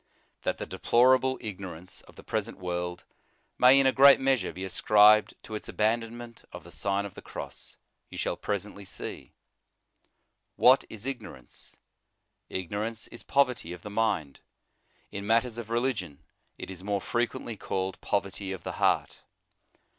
That the deplorable ignorance of the present world may, in a great measure, be ascribed to its abandonment of the Sign of the Cross, you shall presently see. What is ignorance ? Ignorance is poverty of the mind. In matters of religion it is more frequently called poverty of the heart.